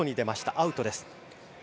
アウトです。